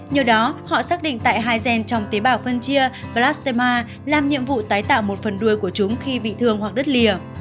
nhờ đó họ xác định tại hai gen trong tế bào phân chia blatema làm nhiệm vụ tái tạo một phần đuôi của chúng khi bị thương hoặc đất lìa